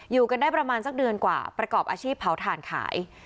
อยู่กันได้ประมาณสักเดือนกว่าประกอบอาชีพเผาถ่านขาย